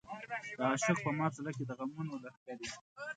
د عاشق په مات زړه کې د غمونو لښکر وي.